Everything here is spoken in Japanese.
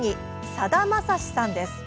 さだまさしさんです。